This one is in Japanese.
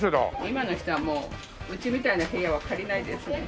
今の人はもううちみたいな部屋は借りないですね。